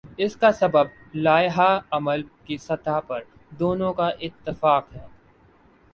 اس کا سبب لائحہ عمل کی سطح پر دونوں کا اتفاق ہے۔